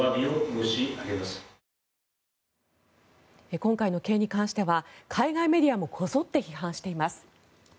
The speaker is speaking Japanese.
今回の件に関しては海外メディアもこぞって批判しています。